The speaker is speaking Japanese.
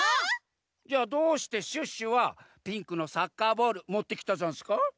じゃあどうしてシュッシュはピンクのサッカーボールもってきたざんすか？